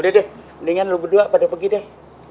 udah deh mendingan lo berdua pada pergi deh